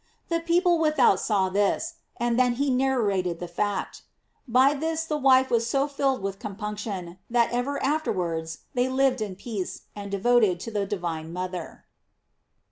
The people without saw this, and then he narra ted the fact. By this the wife was so filled with compunction, that ever afterwards they lived in peace, and devoted to the divine mother.